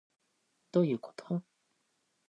どういうこと